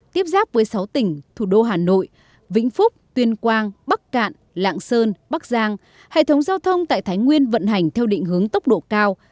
tiếp giáp với sáu tỉnh thủ đô hà nội vĩnh phúc tuyên quang bắc cạn lạng sơn bắc giang hệ thống giao thông tại thái nguyên vận hành theo định hướng tốc độ cao